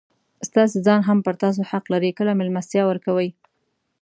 ستاسي ځان هم پر تاسو حق لري؛ کله مېلمستیا ورکوئ!